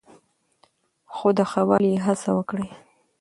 خو د ښه والي هڅه وکړئ.